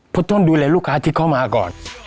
เพราะต้นดูแลลูกค้าที่เข้ามาก่อน